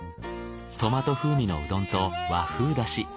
トマト風味のうどんと和風出汁